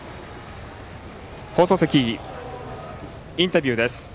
放送席、インタビューです。